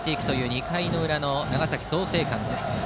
２回裏の長崎・創成館です。